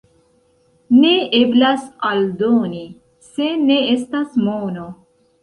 Ne eblas aldoni, se ne estas mono.